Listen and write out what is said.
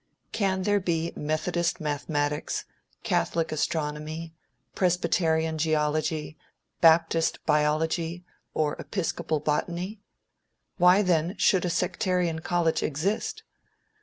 Can there be Methodist mathematics, Catholic astronomy, Presbyterian geology, Baptist biology, or Episcopal botany? Why, then, should a sectarian college exist?